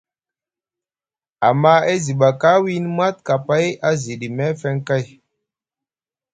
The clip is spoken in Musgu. Amma e zi baka wiini mat, kapay a ziɗi meefeŋ kay.